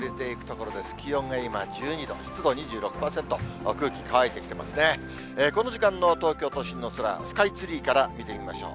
この時間の東京都心の空、スカイツリーから見てみましょう。